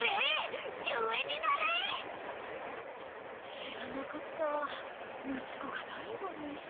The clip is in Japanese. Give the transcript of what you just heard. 知らなかった睦子が大吾に。